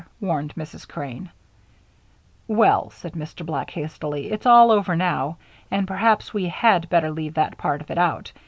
warned Mrs. Crane. "Well," said Mr. Black, hastily, "it's all over now, and perhaps we had better leave that part of it out.